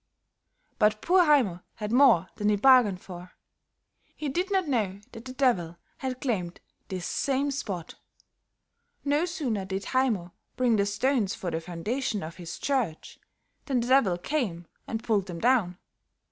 "But poor Haymo had more than he bargained for. He did not know that the Devil had claimed this same spot; no sooner did Haymo bring the stones for the foundation of his church than the Devil came and pulled them down.